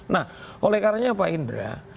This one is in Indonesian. nah oleh karenanya pak indra